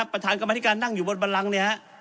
ประธานกรรมนิการนั่งอยู่บนนี้